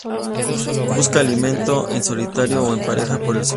Busca alimento en solitario o en parejas por el suelo.